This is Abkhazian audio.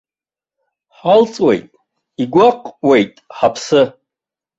Ҳалҵуеит, игәаҟуеит ҳаԥсы.